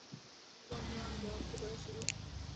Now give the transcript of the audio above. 乙种车辆则不得驶入。